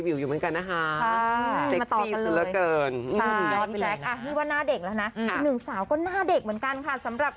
วิวอยู่เหมือนกันนะคะไทยไปหน้าเด็กค่ะ